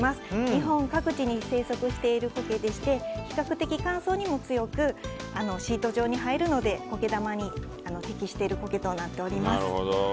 日本各地に生息している苔でして比較的乾燥にも強くシート状に生えるので苔玉に適している苔となっております。